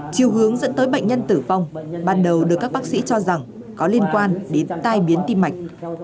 chiều hướng dẫn tới bệnh nhân tử vong ban đầu được các bác sĩ cho rằng có liên quan đến tai biến tim mạch